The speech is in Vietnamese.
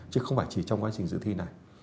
chứ không phải chỉ trong quá trình dự thi này